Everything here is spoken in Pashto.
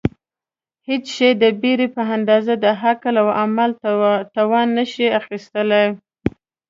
هېڅ شی د بېرې په اندازه د عقل او عمل توان نشي اخیستلای.